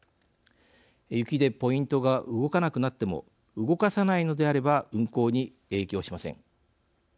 雪でポイントが動かなくなっても動かさないのであれば運行に影響しません。